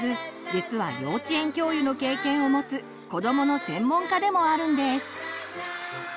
実は幼稚園教諭の経験をもつ子どもの専門家でもあるんです。